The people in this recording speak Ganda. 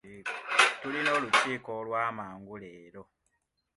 Tuyina olukiiko olw'amangu leero.